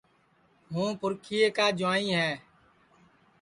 پُرکھیئے کا جُوائیں ہے